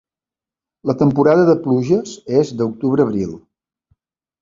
La temporada de pluges és d'octubre a abril.